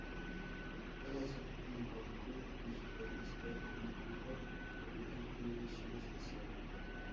Cada cierto tiempo, "Q" y su revista hermana "Mojo" publican una edición especial.